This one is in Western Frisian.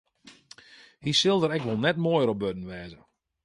Hy sil der ek wol net moaier op wurden wêze.